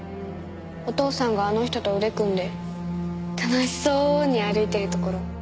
お父さんがあの人と腕組んで楽しそうに歩いてるところ。